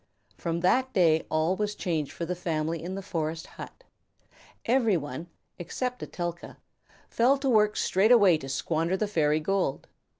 From that day all was changed for the family in the forest hut. Every one, except Etelka, fell to work straightway to squander the fairy gold.